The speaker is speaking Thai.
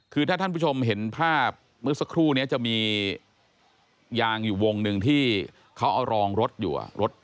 คือถ้าท่านผู้ชมเห็นภาพเมื่อสักครู่นี้จะมียางอยู่วงหนึ่งที่เขาเอารองรถอยู่